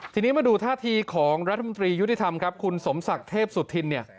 ทีนี้มาดูท่าทีของรัฐมนตรียุติธรรมครับคุณสมศักดิ์เทพสุธินเนี่ย